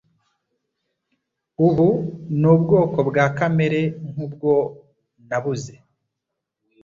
Ubu ni ubwoko bwa kamera nkubwo nabuze.